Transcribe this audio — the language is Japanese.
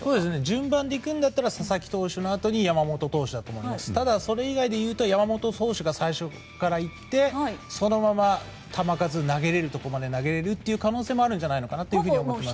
順番でいくんだったら佐々木投手のあとに山本投手だと思いますがただ、それ以外でいうと山本投手が最初から行ってそのまま球数投げれるところまで投げる可能性があると思います。